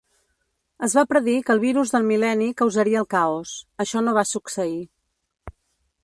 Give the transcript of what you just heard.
Es va predir que el virus del mil·leni causaria el caos. Això no va succeir.